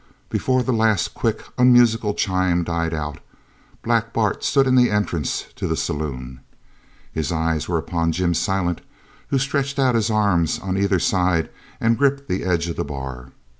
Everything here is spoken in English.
Before the last quick, unmusical chime died out Black Bart stood in the entrance to the saloon. His eyes were upon Jim Silent, who stretched out his arms on either side and gripped the edge of the bar.